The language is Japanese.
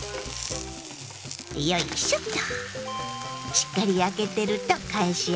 よいしょっと。